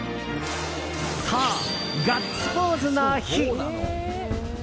そう、ガッツポーズの日！